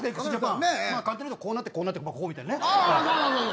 簡単に言うとこうなってこうみたいなね。